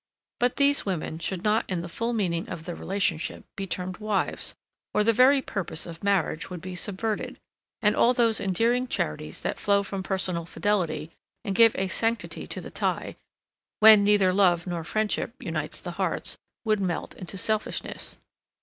But these women should not in the full meaning of the relationship, be termed wives, or the very purpose of marriage would be subverted, and all those endearing charities that flow from personal fidelity, and give a sanctity to the tie, when neither love nor friendship unites the hearts, would melt into selfishness.